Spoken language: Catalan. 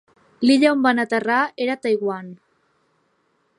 L'illa on van aterrar era Taiwan.